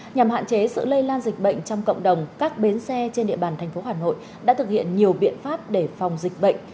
nhằm hạn chế sự lây lan dịch bệnh trong cộng đồng các bến xe trên địa bàn thành phố hà nội đã thực hiện nhiều biện pháp để phòng dịch bệnh